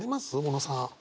小野さん。